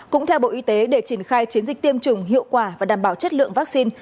cũng theo bộ y tế để triển khai chiến dịch tiêm chủng hiệu quả và đảm bảo chất lượng vaccine